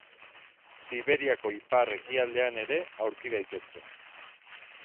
Siberiako ipar-ekialdean ere aurki daitezke.